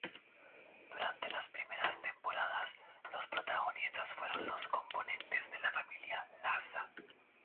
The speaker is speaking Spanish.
Durante las primeras temporadas, los protagonistas fueron los componentes de la familia Lasa.